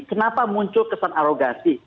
kenapa muncul kesan arogasi